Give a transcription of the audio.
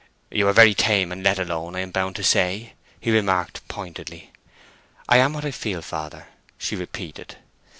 "You are very tame and let alone, I am bound to say," he remarked, pointedly. "I am what I feel, father," she repeated.